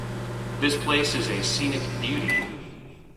This place is a scenic beauty.